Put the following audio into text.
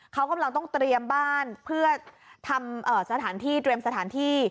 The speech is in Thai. เขากำลังต้องเตรียมบ้านเพื่อทำสถานที่เตรียมสถานที่